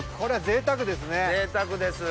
ぜいたくです。